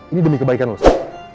ini demi kebaikan lo sa